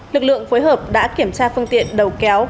lực lượng phối hợp đã kiểm tra phương tiện đầu kéo